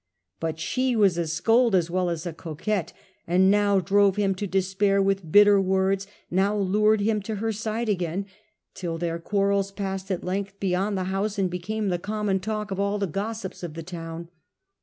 But she was a scold as well as a coquette, and now drove him to despair with bitter words, now lured him to her side again, till their quarrels passed at length beyond the house and became the common talk of all the gossips of the town.